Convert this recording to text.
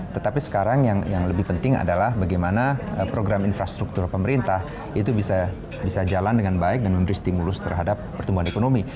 tetapi sekarang yang lebih penting adalah bagaimana program infrastruktur pemerintah itu bisa jalan dengan baik dan memberi stimulus terhadap pertumbuhan ekonomi